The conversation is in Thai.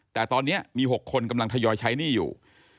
แต่ตอนนี้มี๖คนกำลังทยอยใช้หนี้อยู่